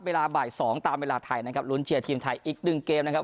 เวลาบ่ายสองตามเวลาไทยนะครับลุ้นเชียร์ทีมไทยอีกหนึ่งเกมนะครับ